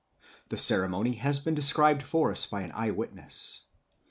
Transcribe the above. The ceremony has been described for us by an eye witness.